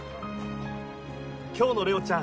今日のれおちゃん